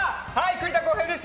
栗田航兵です。